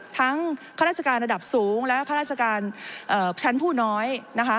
ข้าราชการระดับสูงและข้าราชการชั้นผู้น้อยนะคะ